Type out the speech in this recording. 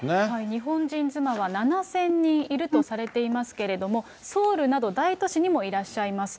日本人妻は７０００人いるとされていますけれども、ソウルなど大都市にもいらっしゃいます。